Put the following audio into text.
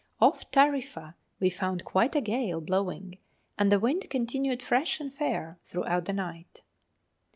Off Tarifa we found quite a gale blowing, and the wind continued fresh and fair throughout the night.